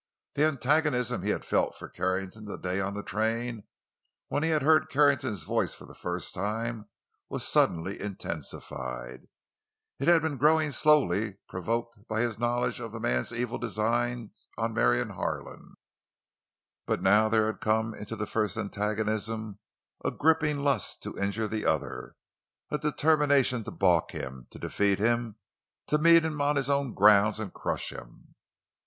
The antagonism he had felt for Carrington that day on the train when he had heard Carrington's voice for the first time was suddenly intensified. It had been growing slowly, provoked by his knowledge of the man's evil designs on Marion Harlan. But now there had come into the first antagonism a gripping lust to injure the other, a determination to balk him, to defeat him, to meet him on his own ground and crush him.